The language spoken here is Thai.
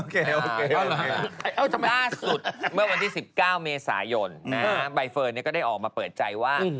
กล้าสุดเมื่อวันที่๑๙เดือนไมอ่ะใบเฟย์ก็ได้ออกมาเปิดใจว่า